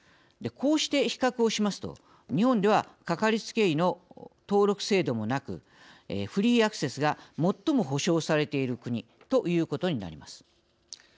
こうして比較をしますと日本ではかかりつけ医への登録制度もなくフリーアクセスが最も保障されている国ということになります。